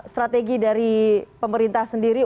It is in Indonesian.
strategi dari pemerintah sendiri